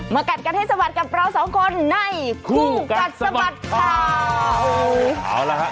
มากัดกันให้สะบัดกับเราสองคนในหู้กัดสมัดค่าเออเอาละครับ